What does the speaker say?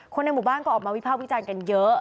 ในหมู่บ้านก็ออกมาวิภาควิจารณ์กันเยอะ